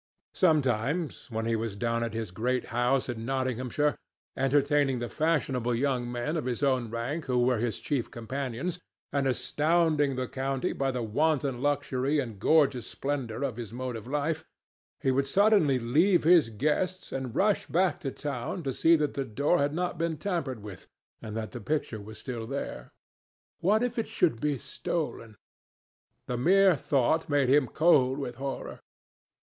Sometimes when he was down at his great house in Nottinghamshire, entertaining the fashionable young men of his own rank who were his chief companions, and astounding the county by the wanton luxury and gorgeous splendour of his mode of life, he would suddenly leave his guests and rush back to town to see that the door had not been tampered with and that the picture was still there. What if it should be stolen? The mere thought made him cold with horror.